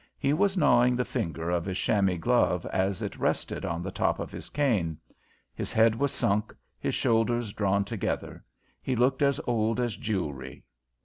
He was gnawing the finger of his chamois glove as it rested on the top of his cane. His head was sunk, his shoulders drawn together; he looked as old as Jewry.